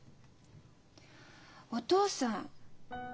お父さん。